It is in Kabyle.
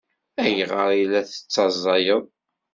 Ayɣer ay la tettazzaleḍ?